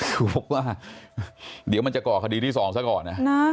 ผมบอกว่าเดี๋ยวมันจะก่อคดีที่สองซะก่อนนะ